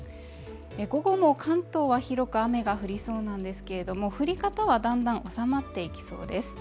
午後も関東は広く雨が降りそうなんですけれども振り方は段々おさまっていきそうです。